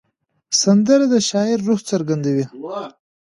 سندره د شاعر روح څرګندوي